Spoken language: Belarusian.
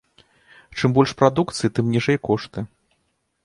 Чым больш прадукцыі, тым ніжэй кошты.